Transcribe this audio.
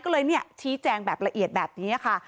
ก็เลยชี้แจงแบบละเอียดแบบนี้ค่ะ